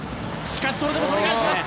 しかし、それでも取り返します。